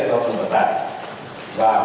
một điểm an toàn giao thông